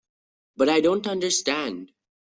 But I don't understand.